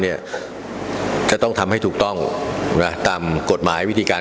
เนี่ยจะต้องทำให้ถูกต้องนะตามกฎหมายวิธีการ